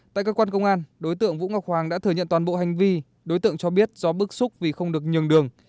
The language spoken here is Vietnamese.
tại cơ quan công an đối tượng vũ ngọc hoàng đã thừa nhận toàn bộ hành vi đối tượng cho biết do bức xúc vì không được nhường đường